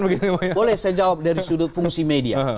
boleh saya jawab dari sudut fungsi media